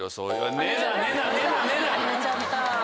寝ちゃった。